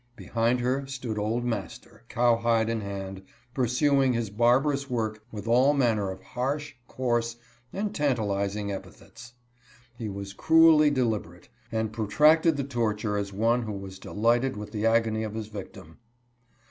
Behind her stood old master, cowhide in hand, pursuing his barbar ous work with all manner of harsh, coarse, and tantaliz ing epithets. He was cruelly deliberate, and protracted the torture as one who was delighted with the agony of his victim.